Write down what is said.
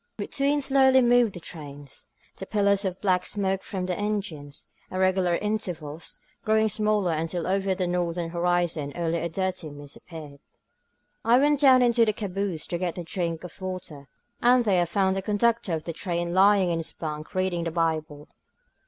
Between slowly moved the trains; 187 INSURGENT MEXICO the pillars of black smoke from their engines, at regu lar intervals, growing smaller, until over the northern horizon only a dirty mist appeared. I went down into the caboose to get a drink of wa ter, and there I found the conductor of the train lying in his bunk reading the Bible.